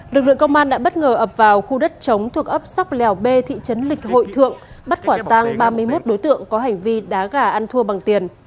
lực lượng công an đã bất ngờ ập vào khu đất chống thuộc ấp sóc lèo b thị trấn lịch hội thượng bắt quả tang ba mươi một đối tượng có hành vi đá gà ăn thua bằng tiền